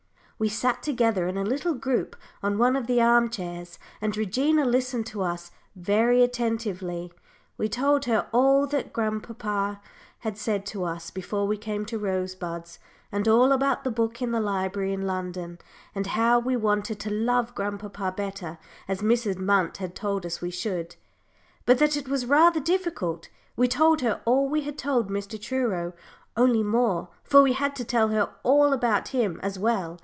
We sat together in a little group on one of the arm chairs, and Regina listened to us very attentively. We told her all that grandpapa had said to us before we came to Rosebuds, and all about the book in the library in London, and how we wanted to love grandpapa better, as Mrs. Munt had told us we should, but that it was rather difficult. We told her all we had told Mr. Truro, only more, for we had to tell her all about him as well.